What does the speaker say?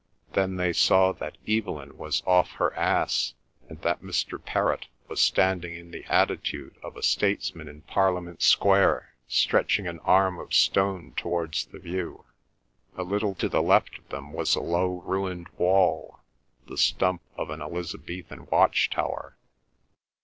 Then they saw that Evelyn was off her ass, and that Mr. Perrott was standing in the attitude of a statesman in Parliament Square, stretching an arm of stone towards the view. A little to the left of them was a low ruined wall, the stump of an Elizabethan watch tower.